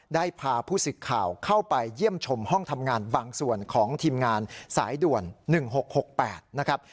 ได้พาผู้สิทธิ์ข่าวเข้าไปเยี่ยมชมห้องทำงานบางส่วนของทีมงานสายด่วน๑๖๖๘นะครับ